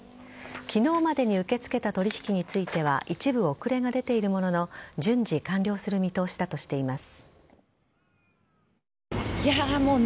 昨日までに受け付けた取引については一部、遅れが出ているものの順次完了する見通しだとしています。